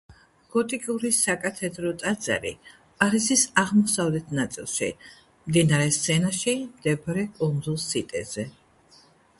გოტიკური საკათედრო ტაძარი პარიზის აღმოსავლეთ ნაწილში, მდინარე სენაში მდებარე კუნძულ სიტეზე.